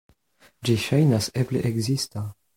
Ĝi ŝajnas eble ekzista.